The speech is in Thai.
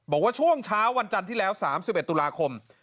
บอกว่าช่วงเช้าวันจันทร์ที่แล้ว๓๑ตุลาคม